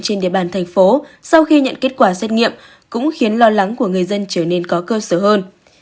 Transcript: trên địa bàn thành phố sau khi nhận kết quả xét nghiệm cũng khiến lo lắng của người dân trở nên có cơ sở hơn